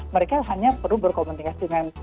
mereka hanya perlu berkomunikasi dengan